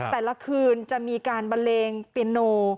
แต่ละคืนจะมีการบันเลงเปียโน